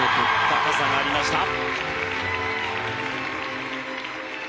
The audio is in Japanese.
高さがありました。